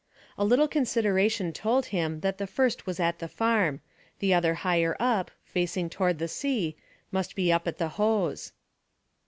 A little consideration told him that the first was at the farm; the other high up, facing toward the sea, must be up at the Hoze.